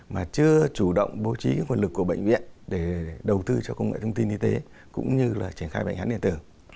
mà chưa chủ động bố trí nguồn lực của bệnh viện để đầu tư cho công nghệ thông tin y tế cũng như là triển khai bệnh án điện tử